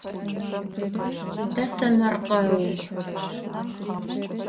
Tesemerkheu.